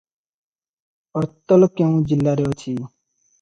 ଅର୍ତଲ କେଉଁ ଜିଲ୍ଲାରେ ଅଛି?